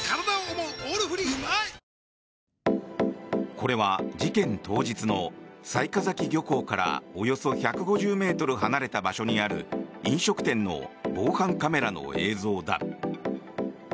これは事件当日の雑賀崎漁港からおよそ１５０ｍ離れた場所にある飲食店の防犯カメラの映像だ。